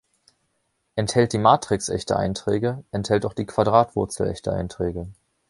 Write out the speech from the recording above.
Enthält die Matrix echte Einträge, enthält auch die Quadratwurzel echte Einträge.